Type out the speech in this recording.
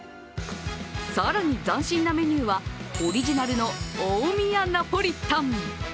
更に、斬新なメニューにはオリジナルの大宮ナポリタン。